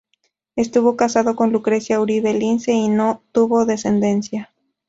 Estuvo casado con Lucrecia Uribe Lince y no tuvo descendencia.